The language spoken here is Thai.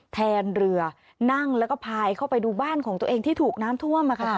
แทนเรือนั่งแล้วก็พายเข้าไปดูบ้านของตัวเองที่ถูกน้ำท่วม